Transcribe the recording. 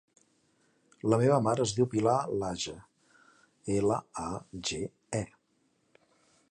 La meva mare es diu Pilar Lage: ela, a, ge, e.